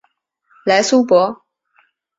莱苏博。